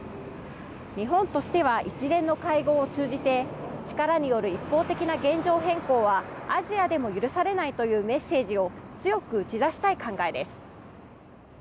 日本としては一連の会合を通じて力による一方的な現状変更はアジアでも許されないというメッセージを強く打ち出したい考えです。